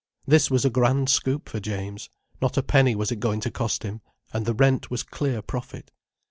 This was a grand scoop for James: not a penny was it going to cost him, and the rent was clear profit.